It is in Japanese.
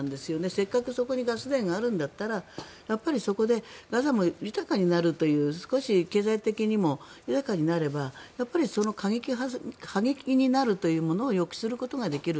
せっかくそこにガス田があるんだったらそこでガザも豊かになるという少し経済的にも豊かになればその過激になるというものを抑止することができる。